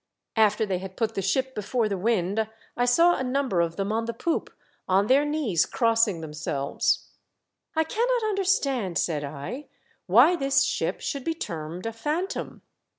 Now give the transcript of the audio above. "After they had put the ship before the wind I saw a number of them on the poop on their knees crossing themselves." "I cannot understand," said I, "why this ship should be termed a Phantom.